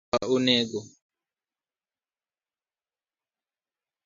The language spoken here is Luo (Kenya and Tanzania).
Jariemb mtoka onego